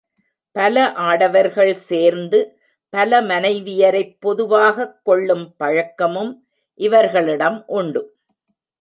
பல ஆடவர்கள் சேர்ந்து பல மனைவியரைப் பொதுவாகக் கொள்ளும் பழக்கமும் இவர்களிடம் உண்டு.